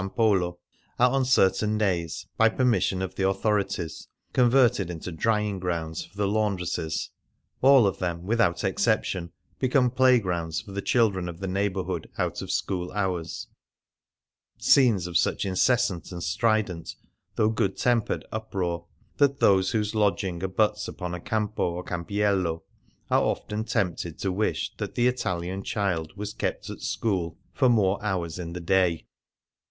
Polo, are on certain days, by permission of the authorities, con verted into drying grounds for the laundresses. All of them, without exception, become play grounds for the children of the neighboui'hood out of school hours — scenes of such incessant and strident, though good tempered, uproar that those whose lodging abuts upon a campo or camp'iello are often tempted to wish that the Italian child was kept at school for more 8i F Things Seen in Venice hours in the day